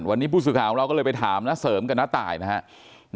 วันนี้ผู้สื่อข่าวของเราก็เลยไปถามน้าเสริมกับน้าตายนะครับ